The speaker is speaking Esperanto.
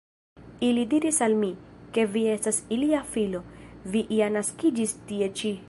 Ili diris al mi, ke vi estas ilia filo, vi ja naskiĝis tie ĉi.